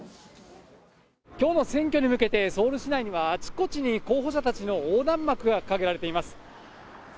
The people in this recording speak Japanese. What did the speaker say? きょうの選挙に向けて、ソウル市内にはあちこちに候補者たちの横断幕が掲げられています。